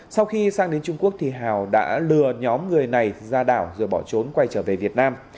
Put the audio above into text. sau khi sang đến trung quốc hào đã lừa nhóm người này ra đảo rồi bỏ trốn quay trở về việt nam